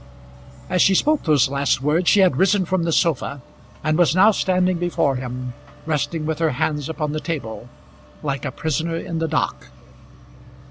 As she spoke those last words, she had risen from the sofa, and was now standing before him resting with her hands upon the table, like a prisoner in the dock.